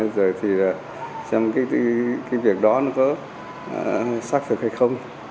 rồi thì xem cái việc đó nó có xác thực hay không